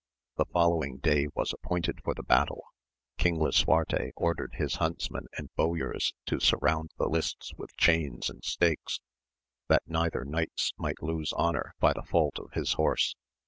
The following day was appointed for the battle ; King Lisuarte ordered his huntsmen and bowyers to surround the lists with chains and stakes, that neither knights might lose honour by the fault of his horse.